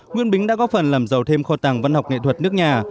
nguyễn bính đã góp phần làm giàu thêm kho tàng văn học nghệ thuật nước nhà